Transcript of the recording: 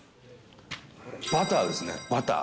バターですね、バター。